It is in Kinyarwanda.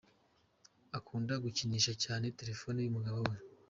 Akunda gukinisha cyane telephone y’umugabo we :.